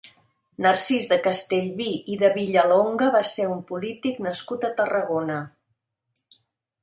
Narcís de Castellví i de Villalonga va ser un polític nascut a Tarragona.